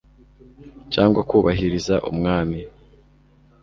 cyangwa kubahiriza umwami